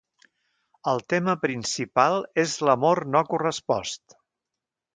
El tema principal és l'amor no correspost.